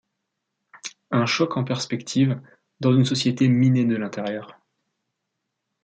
Un choc en perspective, dans une société minée de l'intérieur.